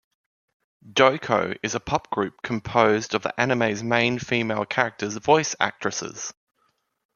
DoCo is a pop group composed of the anime's main female characters' voice actresses.